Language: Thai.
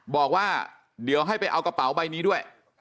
บอกว่าเดี๋ยวให้ไปเอากระเป๋าใบนี้ด้วย